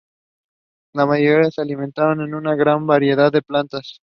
La mayoría se alimentan de una gran variedad de plantas.